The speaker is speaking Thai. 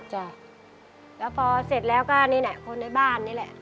จ้ะแล้วพอเสร็จแล้วก็นี่แหละคนในบ้านนี่แหละ